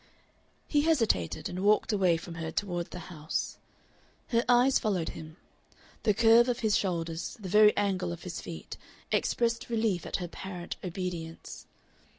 He hesitated, and walked away from her toward the house. Her eyes followed him. The curve of his shoulders, the very angle of his feet, expressed relief at her apparent obedience.